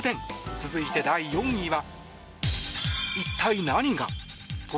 続いて、第４位は。